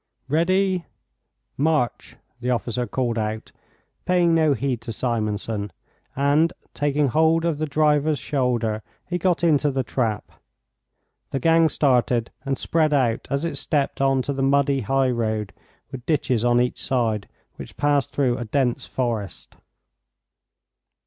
"Ready? March!" the officer called out, paying no heed to Simonson, and, taking hold of the driver's shoulder, he got into the trap. The gang started and spread out as it stepped on to the muddy high road with ditches on each side, which passed through a dense forest.